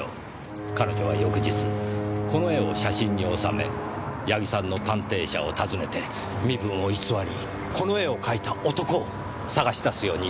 彼女は翌日この絵を写真に収め矢木さんの探偵社を訪ねて身分を偽りこの絵を描いた男を捜し出すように依頼した。